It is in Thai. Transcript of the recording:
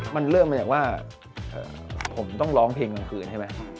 มันเริ่มมาจากว่าผมต้องร้องเพลงกลางคืนใช่ไหม